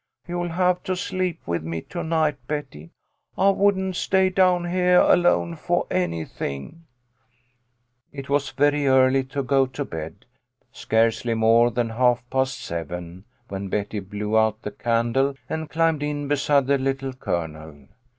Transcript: You'll have to sleep with me to night, Betty. I wouldn't stay down heah alone fo' anything." 64 THE LITTLE COLONEL'S HOLIDAYS. It was very early to go to bed, scarcely more than half past seven, when Betty blew out the candle and climbed in beside the Little Colonel.